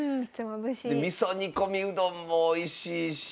味噌煮込みうどんもおいしいし。